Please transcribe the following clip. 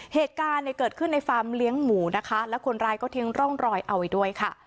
เหตุการณ์เนี่ยเกิดขึ้นในฟาร์มเลี้ยงหมูนะคะแล้วคนร้ายก็ทิ้งร่องรอยเอาไว้ด้วยค่ะ